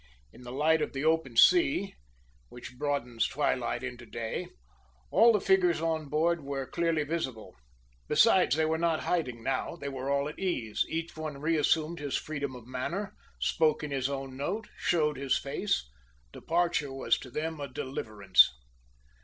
In the light of the open sea (which broadens twilight into day) all the figures on board were clearly visible. Besides they were not hiding now they were all at ease; each one reassumed his freedom of manner, spoke in his own note, showed his face; departure was to them a deliverance.